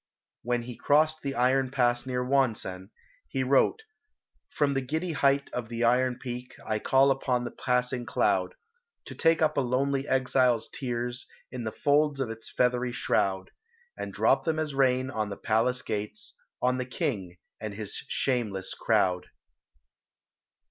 When he crossed the Iron Pass near Wonsan, he wrote "From the giddy height of the Iron Peak, I call on the passing cloud, To take up a lonely exile's tears In the folds of its feathery shroud, And drop them as rain on the Palace Gates, On the King, and his shameless crowd."